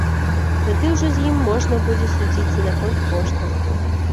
Тады ўжо з ім можна будзе судзіцца наконт коштаў.